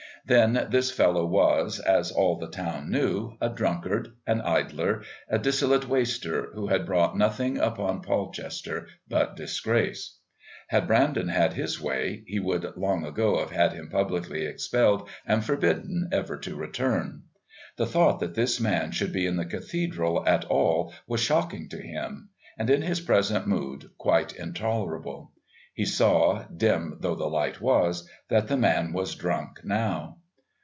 Then this fellow was, as all the town knew, a drunkard, an idler, a dissolute waster who had brought nothing upon Polchester but disgrace. Had Brandon had his way he would, long ago, have had him publicly expelled and forbidden ever to return. The thought that this man should be in the Cathedral at all was shocking to him and, in his present mood, quite intolerable. He saw, dim though the light was, that the man was drunk now.